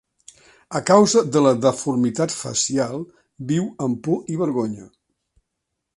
A causa de la deformitat facial, viu amb por i vergonya.